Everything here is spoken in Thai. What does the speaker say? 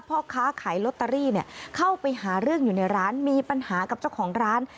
พ่อค้าขายลอตเตอรี่เข้าไปหาเรื่องอยู่ในร้านมีปัญหากับเจ้าของร้าน